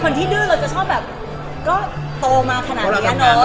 เป็นคนที่ดื้อเราจะชอบแบบก็โตมาขนาดเนี้ยเนาะ